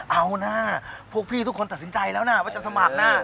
เอานะพวกพี่ทุกคนตัดสินใจแล้วนะว่าจะสมัครนะ